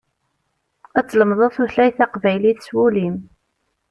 Ad tlemdeḍ tutlayt taqbaylit s wul-im.